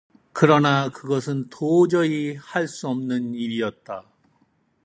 그러나 그것은 도저히 할 수 없는 일이었다.